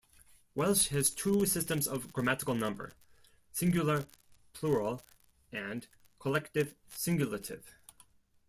Welsh has two systems of grammatical number, singular-plural and collective-singulative.